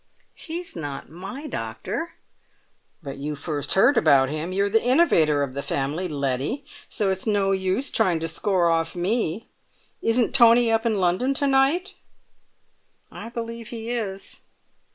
"He's not my doctor." "But you first heard about him; you're the innovator of the family, Letty, so it's no use trying to score off me. Isn't Tony up in London to night?" "I believe he is."